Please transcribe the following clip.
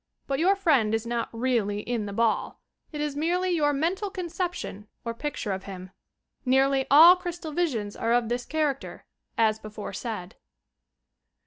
But your friend is not really in the ball; it is merely your mental conception or picture of him. Nearly all crystal visions are of this character, as before said.